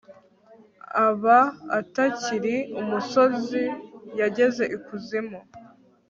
aba atakiri umusozi, yageze ikuzimu